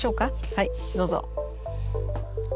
はいどうぞ。